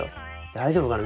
大丈夫かな？